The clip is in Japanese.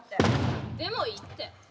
何でもいいって。